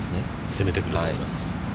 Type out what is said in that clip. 攻めてくると思います。